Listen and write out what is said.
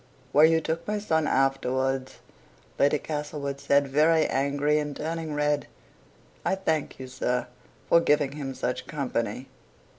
"Where you took my son afterwards," Lady Castlewood said, very angry, and turning red. "I thank you, sir, for giving him such company.